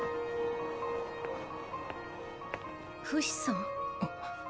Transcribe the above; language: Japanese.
フシさん？